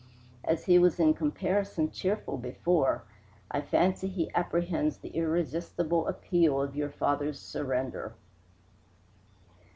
As he was in comparison cheerful before, I fancy he apprehends the irresistible appeal of your father's surrender."